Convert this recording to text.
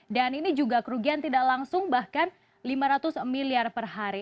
dan ini juga kerugian tidak langsung bahkan lima ratus miliar per hari